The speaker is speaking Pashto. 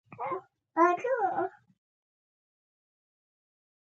سم له لاسه يې عملي کړئ.